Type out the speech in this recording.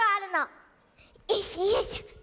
よいしょよいしょ。